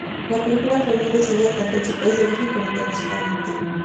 La película fue bien recibida tanto en su país de origen como internacionalmente.